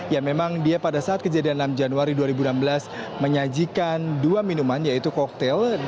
ya memang dia pada saat kejadian enam januari dua ribu enam belas menyajikan dua minuman yaitu koktel